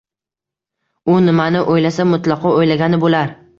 U nimani o’ylasa, mutlaqo o’ylagani bo’lar.